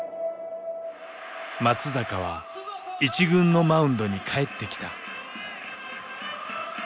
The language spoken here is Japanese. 松坂は一軍のマウンドに帰ってきた。